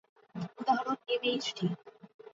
উদাহরণ এমএইচডি।